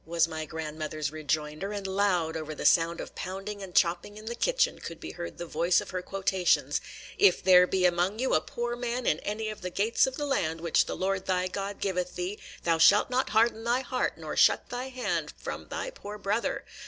was my grandmother's rejoinder; and loud over the sound of pounding and chopping in the kitchen could be heard the voice of her quotations: "If there be among you a poor man in any of the gates of the land which the Lord thy God giveth thee, thou shalt not harden thy heart, nor shut thy hand, from thy poor brother.